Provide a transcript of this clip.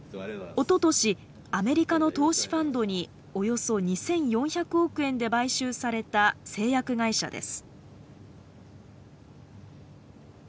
おととしアメリカの投資ファンドにおよそ２，４００億円で買収された製薬会社です。